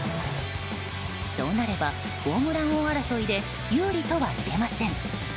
そうなればホームラン王争いで有利とはいえません。